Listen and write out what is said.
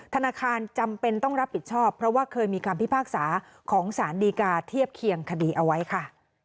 ธนาคารจำเป็นต้องรับผิดชอบเพราะว่าเคยมีคำพิพากษาของสารดีกาเทียบเคียงคดีเอาไว้ค่ะ